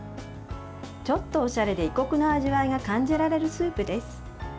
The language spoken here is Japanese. ちょっとおしゃれで異国の味わいが感じられるスープです。